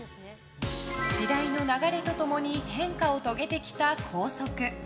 時代の流れと共に変化を遂げてきた校則。